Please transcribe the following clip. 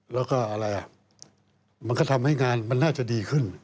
แล้วก็อะไรอ่ะมันก็ทำให้งานมันน่าจะดีขึ้น